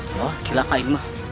kau tak bisa ma